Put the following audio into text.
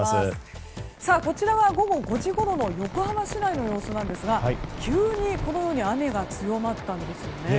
こちらは午後５時ごろの横浜市内の様子ですが急に雨が強まったんですよね。